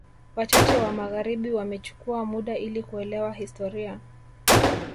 Wachache wa magharibi wamechukua muda ili kuelewa historia